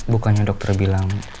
bukannya dokter bilang